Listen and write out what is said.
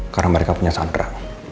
karena mereka punya sandera